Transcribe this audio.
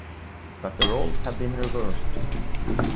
But the roles had been reversed.